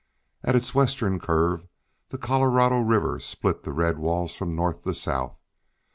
At its western curve the Colorado River split the red walls from north to south.